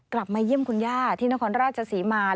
กลับมาเยี่ยมคุณย่าที่นครราชศรีมา